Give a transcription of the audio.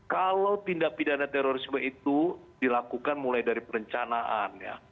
kalau tindak pidana terorisme itu dilakukan mulai dari perencanaan ya